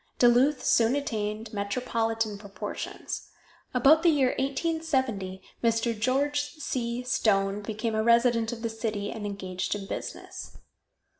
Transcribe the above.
Duluth soon attained metropolitan proportions. About the year 1870 Mr. George C. Stone became a resident of the city, and engaged in business.